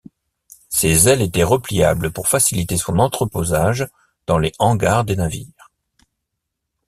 Ses ailes étaient repliables pour faciliter son entreposage dans les hangars des navires.